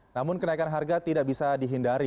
namun kenaikan harga tidak bisa dihindari